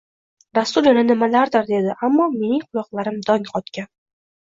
Rasul yana nimalardir dedi, ammo mening quloqlarim dong qotgan